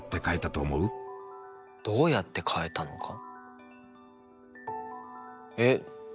どうやって変えたのか。